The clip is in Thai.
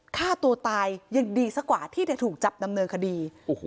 ฆ่าตัวตายยังดีซะกว่าที่จะถูกจับดำเนินคดี